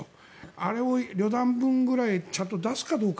あれを旅団分くらいちゃんと出すかどうか。